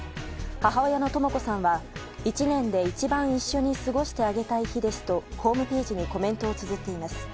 母親のとも子さんは１年で一番一緒に過ごしてあげたい日ですとホームページにコメントをつづっています。